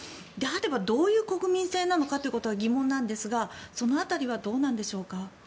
であれば、どういう国民性であるのかというのは疑問なんですがその辺りはどうなんでしょうか。